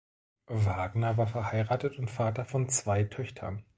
Wagner war verheiratet und Vater von zwei Töchtern.